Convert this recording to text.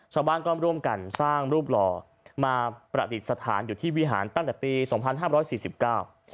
ชาวบ้านก็ร่วมกันสร้างรูปหล่อมาประดิษฐานอยู่ที่วิหารตั้งแต่ปีสองพันห้ามร้อยสี่สิบเก้า